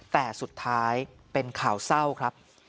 แต่สุดท้ายเป็นข่าวเศร้าครับ